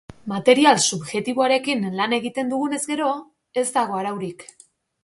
Material subjektiboarekin lan egiten dugunez gero, ez dago araurik.